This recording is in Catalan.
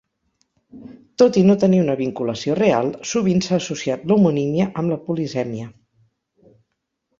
Tot i no tenir una vinculació real, sovint s'ha associat l'homonímia amb la polisèmia.